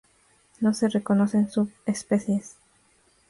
No se reconocen subespecies.